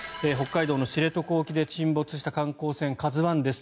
北海道の知床沖で沈没した観光船「ＫＡＺＵ１」です。